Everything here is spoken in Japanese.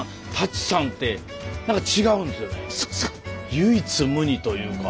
唯一無二というか。